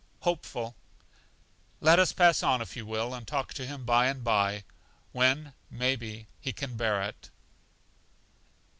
Hopeful. Let us pass on if you will, and talk to him by and by, when, may be, he can bear it.